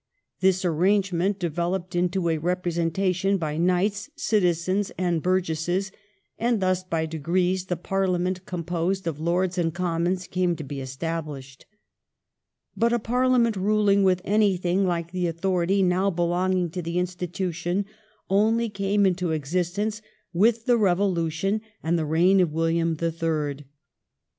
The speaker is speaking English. This arrangement developed into a representation by knights, citizens, and bur gesses, and thus by degrees the Parliament composed of Lords and Commons came to be established. But a ParUament ruling with anything like the authority now belonging to the institution only came into existence with the Eevolution and the reign of William the Third.